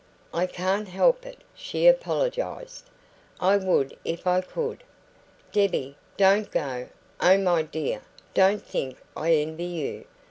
"I can't help it," she apologised. "I would if I could. Debbie, don't go! Oh, my dear, don't think I envy you!